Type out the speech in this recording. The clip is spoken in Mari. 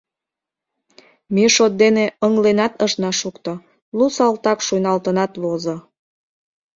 Ме шот дене ыҥленат ышна шукто — лу салтак шуйналтынат возо.